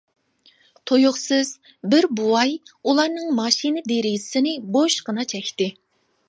تۇيۇقسىز، بىر بوۋاي ئۇلارنىڭ ماشىنا دېرىزىسىنى بوشقىنا چەكتى.